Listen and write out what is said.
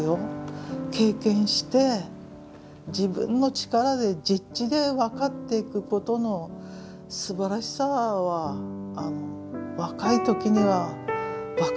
経験して自分の力で実地で分かっていくことのすばらしさは若い時には分かんなかったことが今分かる。